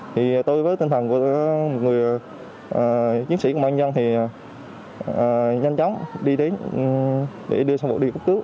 thì tôi với tinh thần của một người chiến sĩ công an nhân dân thì nhanh chóng đi đến để đưa sản phụ đi cấp cứu